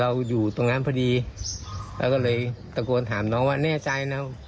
อยู่ตรงนั้นพอดีเราก็เลยตะโกนถามน้องว่าแน่ใจนะ